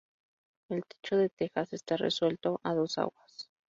El techo de tejas está resuelto a dos aguas.